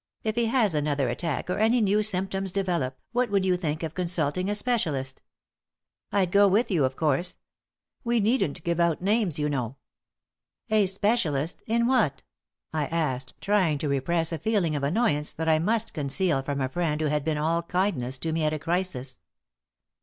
"If he has another attack, or any new symptoms develop, what would you think of consulting a specialist? I'd go with you, of course. We needn't give out names, you know." "A specialist in what?" I asked, trying to repress a feeling of annoyance that I must conceal from a friend who had been all kindness to me at a crisis.